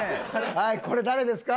はいこれ誰ですか？